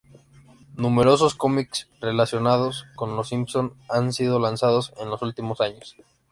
Numerosos cómics relacionados con Los Simpson han sido lanzados en los últimos años.